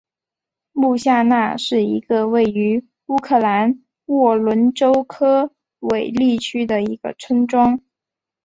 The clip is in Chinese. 穆夏那是一个位于乌克兰沃伦州科韦利区的一个村庄。